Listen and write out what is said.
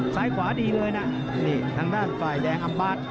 ซ้ายขวาดีเลยนะนี่ทางด้านฝ่ายแดงอัมบาร์ด